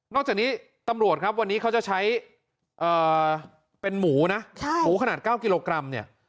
จากนี้ตำรวจครับวันนี้เขาจะใช้เป็นหมูนะหมูขนาด๙กิโลกรัมเนี่ย